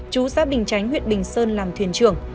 chú giáp bình tránh huyện bình sơn làm thuyền trường